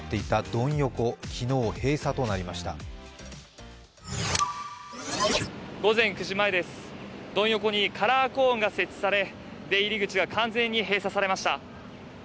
ドン横にカラーコーンが設置され出入り口が完全に閉鎖されました。